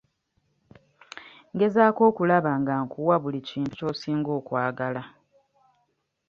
Ngezaako okulaba nga nkuwa buli kintu ky'osinga okwagala.